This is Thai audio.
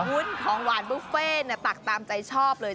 วุ้นของหวานบุฟเฟ่ตักตามใจชอบเลย